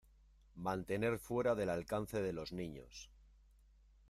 Mantener fuera del alcance de los niños.